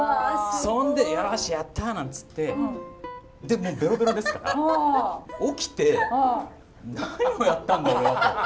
そんで「よしやった」なんつってでもうベロベロですから起きて「何をやったんだ俺は」と。